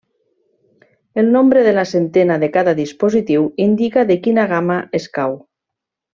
El nombre de la centena de cada dispositiu indica de quina gamma escau.